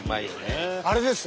あれです。